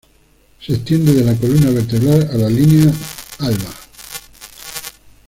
Se extiende de la columna vertebral a la línea alba.